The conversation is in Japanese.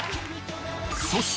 ［そして］